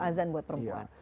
azan buat perempuan